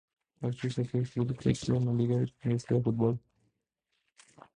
Patrick's Athletic, club que actúa en la Liga irlandesa de fútbol.